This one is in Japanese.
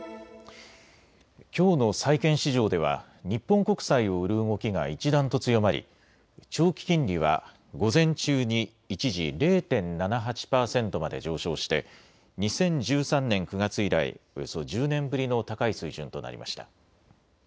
きょうの債券市場では日本国債を売る動きが一段と強まり長期金利は午前中に一時０．７８％まで上昇して２０１３年９月以来、およそ１０年ぶりの高い水準となりました。